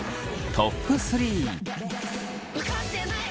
トップ３。